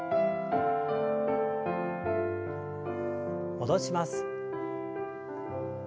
戻します。